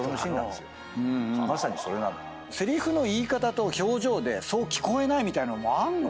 せりふの言い方と表情でそう聞こえないみたいのもある？